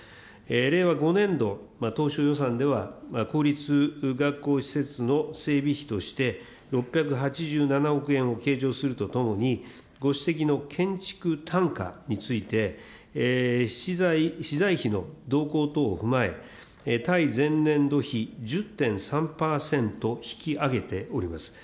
令和５年度当初予算では、公立学校施設の整備費として、６８７億円を計上するとともに、ご指摘の建築単価について、資材費の動向等を踏まえ、対前年度比１０．３％引き上げております。